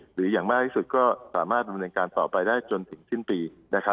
หรือยังมากที่สุดก็สามารถบรรยาการต่อไปได้จนถึงสิ้นปี